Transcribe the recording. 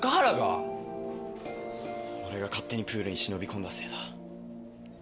俺が勝手にプールに忍び込んだせいだ。